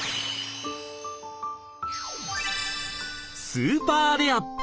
スーパーレア！